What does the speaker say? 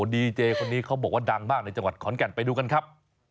ดีเจคนนี้เขาบอกว่าดังมากในจังหวัดขอนแก่นไปดูกันครับ